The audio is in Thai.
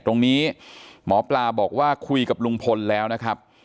หมอปลาบอกว่าคุยกับลุงพลแล้วนะครับ